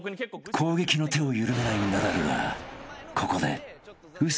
［攻撃の手を緩めないナダルがここで］